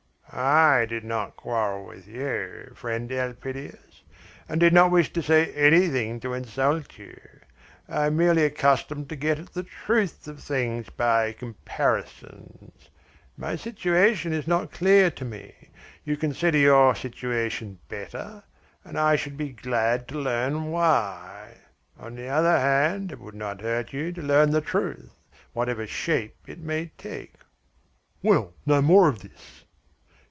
"I did not quarrel with you, friend Elpidias, and did not wish to say anything to insult you. I am merely accustomed to get at the truth of things by comparisons. My situation is not clear to me. You consider your situation better, and I should be glad to learn why. On the other hand, it would not hurt you to learn the truth, whatever shape it may take." "Well, no more of this."